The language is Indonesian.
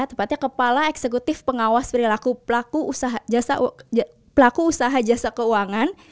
tepatnya kepala eksekutif pengawas perilaku pelaku usaha jasa keuangan